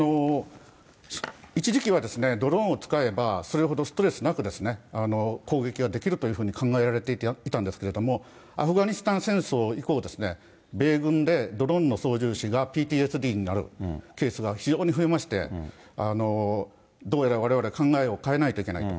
一時期はドローンを使えば、それほどストレスなく攻撃はできるというふうに考えられていたんですけれども、アフガニスタン戦争以降、米軍でドローンの操縦士がＰＴＳＤになるケースが非常に増えまして、どうやらわれわれは考えを変えないといけないと。